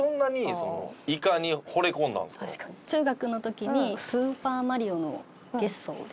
そもそも中学の時に『スーパーマリオ』のゲッソーで。